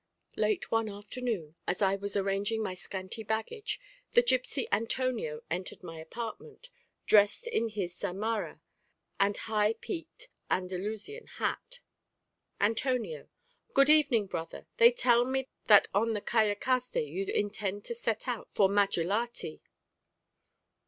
Late one afternoon, as I was arranging my scanty baggage, the gipsy Antonio entered my apartment, dressed in his zamarra and high peaked Andalusian hat. Antonio Good evening, brother; they tell me that on the callicaste you intend to set out for Madrilati.